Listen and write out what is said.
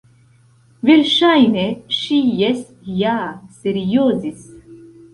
Verŝajne ŝi jes ja seriozis.